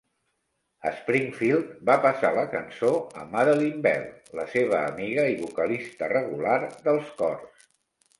Springfield va passar la cançó a Madeline Bell, la seva amiga i vocalista regular dels cors.